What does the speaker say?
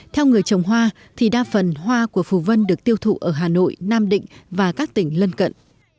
theo người trồng hoa thì đa phần hoa của phù vân được tiêu thụ ở hà nội nam định và các tỉnh lân cận